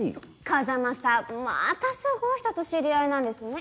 風真さんまたすごい人と知り合いなんですね。